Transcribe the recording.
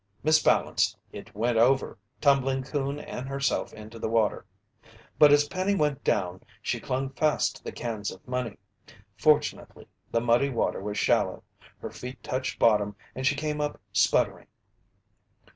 Misbalanced, it went over, tumbling Coon and herself into the water. But as Penny went down, she clung fast to the cans of money. Fortunately, the muddy water was shallow. Her feet touched bottom and she came up sputtering.